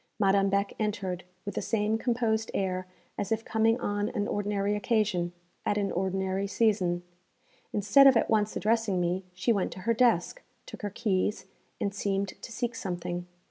Madame Beck entered, with the same composed air as if coming on an ordinary occasion, at an ordinary season. Instead of at once addressing me, she went to her desk, took her keys, and seemed to seek something.